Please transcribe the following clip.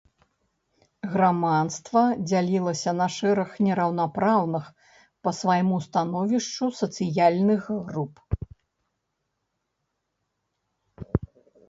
Грамадства дзяліліся на шэраг нераўнапраўных па свайму становішчу сацыяльных груп.